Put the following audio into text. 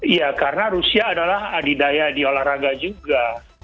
iya karena rusia adalah adidaya di olahraga juga